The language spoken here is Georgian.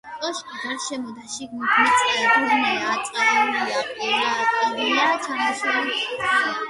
კოშკის გარშემო და შიგნით მიწის დონე აწეულია, ყრია ჩამონაშალი ქვა.